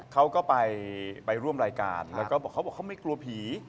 เขาก็ไปร่วมรายการแล้วก็บอกเขาบอกเขาไม่กลัวผี